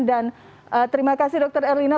dan terima kasih dr erlina